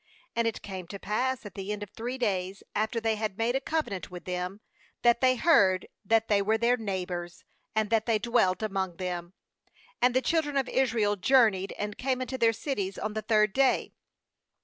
^And it came to pass at the end of three days after they had made a covenant with them, that they heard that they were their neighbours, and that they dwelt among them. 17And the children of t Israel journeyed, and came unto their cities on the third day.